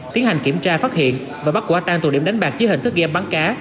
tiến hành kiểm tra phát hiện và bắt quả tang tụ điểm đánh bạc dưới hình thức game bắn cá